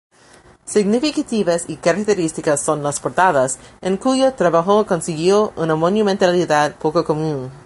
Significativas y características son las portadas, en cuyo trabajó consiguió una monumentalidad poco común.